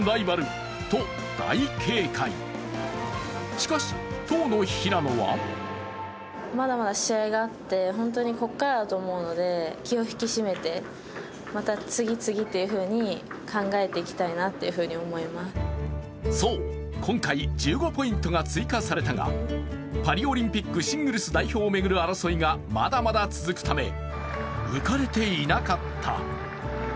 しかし、とうの平野はそう、今回１５ポイントが追加されたがパリオリンピックシングルス代表を巡る争いがまだまだ続くため浮かれていなかった。